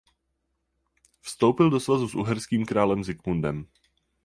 Vstoupil do svazu s uherským králem Zikmundem.